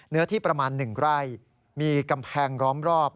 เนื้อที่ประมาณ๑ไร่มีกำแพงล้อมรอบ